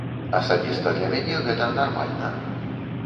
Асабіста для мяне гэта нармальна.